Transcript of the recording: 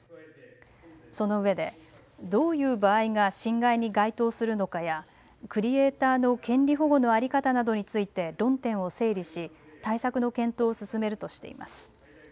そのうえでどういう場合が侵害に該当するのかやクリエーターの権利保護の在り方などについて論点を整理し対策の検討を進めるとしています。